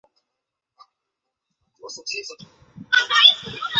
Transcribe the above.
他最喜欢的足球队是博卡青年队俱乐部。